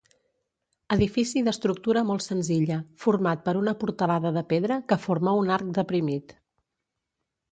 Edifici d'estructura molt senzilla, format per una portalada de pedra que forma un arc deprimit.